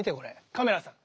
カメラさん？